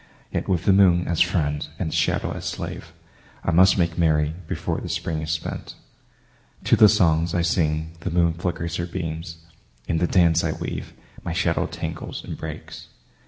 Yet with the moon as friend and the shadow as slave I must make merry before the Spring is spent. To the songs I sing the moon flickers her beams; In the dance I weave my shadow tangles and breaks.